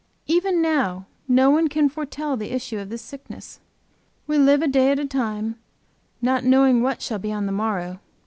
Even now no one can foretell the issue of this sickness. We live a day at a time not knowing what shall be on the morrow.